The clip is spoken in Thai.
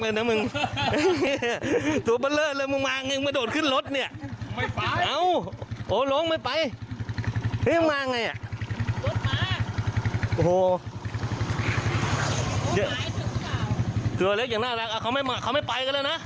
น่ารักเลยนะมึงตัวเบอร์เลิศเลยมากยังไม่โดดขึ้นรถเนี่ยไม่ไปโหลงไม่ไป